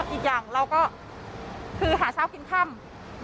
อีกอย่างเราก็คือหาเช้ากินค่ำ